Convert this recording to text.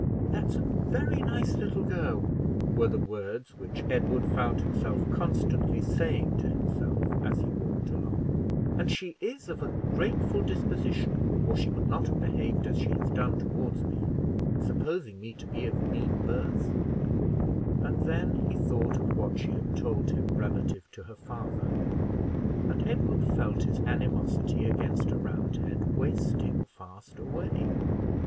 "That's a very nice little girl," were the words which Edward found himself constantly saying to himself as he walked along; "and she is of a grateful disposition, or she would not have behaved as she has done toward me supposing me to be of mean birth;" and then he thought of what she had told him relative to her father, and Edward felt his animosity against a Roundhead wasting fast away.